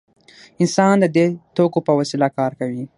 انسان د دې توکو په وسیله کار کوي.